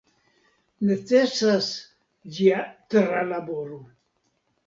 Necesas ĝia tralaboro.